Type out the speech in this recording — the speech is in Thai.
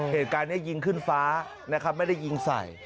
เหตุการณ์นี้ยิงขึ้นฟ้านะครับไม่ได้ยิงใส่